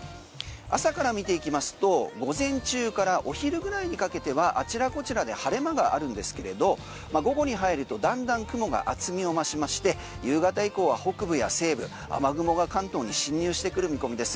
朝から見ていきますと午前中からお昼ぐらいにかけてはあちらこちらで晴れ間があるんですが午後に入るとだんだん雲が厚みを増しまして夕方以降は北部や西部雨雲が関東に進入してくる見込みです。